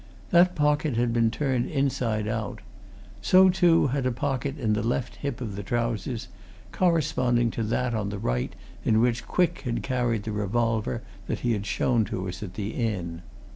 That pocket had been turned inside out; so, too, had a pocket in the left hip of the trousers, corresponding to that on the right in which Quick had carried the revolver that he had shown to us at the inn.